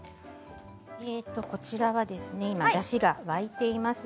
こちらはですねだしが沸いています。